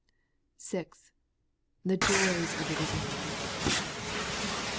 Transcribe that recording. The joys of the risen life.